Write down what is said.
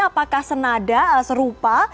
apakah senada serupa